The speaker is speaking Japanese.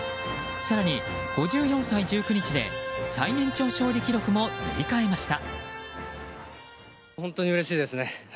更に５４歳１９日で最年長勝利記録も塗り替えました。